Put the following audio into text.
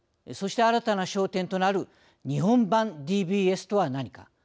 そして、新たな焦点となる日本版ＤＢＳとはなにか。